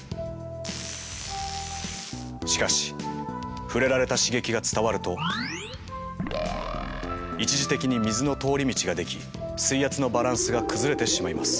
しかし触れられた刺激が伝わると一時的に水の通り道が出来水圧のバランスが崩れてしまいます。